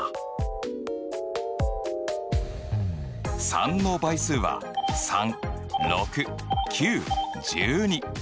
３の倍数は３６９１２。